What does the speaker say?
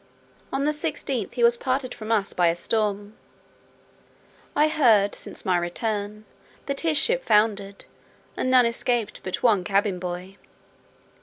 On the 16th, he was parted from us by a storm; I heard since my return, that his ship foundered, and none escaped but one cabin boy.